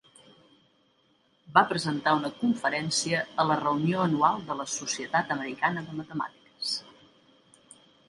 Va presentar una conferència a la reunió anual de la Societat Americana de Matemàtiques.